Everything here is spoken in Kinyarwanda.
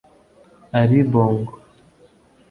Ali Bongo